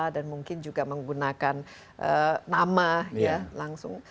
dan mungkin juga menggunakan nama ya langsung